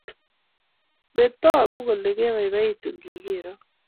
Metaguu kole kebaibaitu ngigeero